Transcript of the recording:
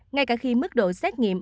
ngay cả khi mức độ xét nghiệm